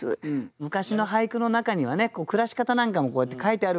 昔の俳句の中にはね暮らし方なんかもこうやって書いてあるから。